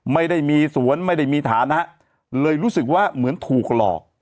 ไม่ได้มีสวนไม่ได้มีฐานะเลยรู้สึกว่าเหมือนถูกหลอก